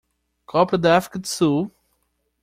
Copa da África do Sul.